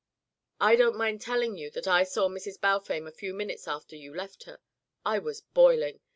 "I don't mind telling you that I saw Mrs. Balfame a few minutes after you left her. I was boiling.